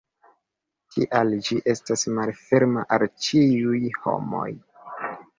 Tial ĝi estas malferma al ĉiuj homoj.